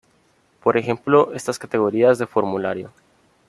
Por ejemplo estas categorías de formulario.